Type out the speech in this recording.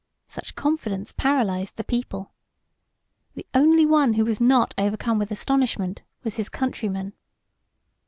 Such confidence paralyzed the people. The only one who was not overcome with astonishment was his countryman.